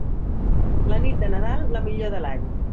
La nit de Nadal, la millor de l'any.